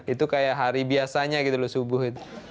itu kayak hari biasanya gitu loh subuh